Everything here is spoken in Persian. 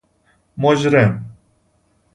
مجرم